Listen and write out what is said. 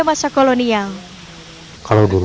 rumah adat cikondang ini menjadi peninggalan satu satunya